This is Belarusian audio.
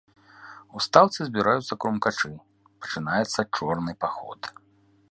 У стаўцы збіраюцца крумкачы, пачынаецца чорны паход.